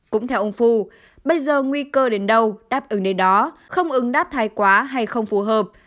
cũng theo ông phu bây giờ nguy cơ đến đâu đáp ứng đến đó không ứng đáp thai quá hay không phù hợp